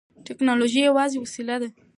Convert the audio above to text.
ټیکنالوژي یوازې وسیله ده.